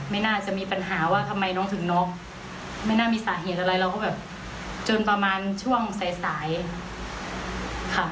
ไม่น่าจะมีปัญหาว่าทำไมน้องถึงน็อกไม่น่ามีสาเหตุอะไรเราก็แบบจนประมาณช่วงสายสายค่ะ